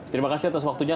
terima kasih atas waktunya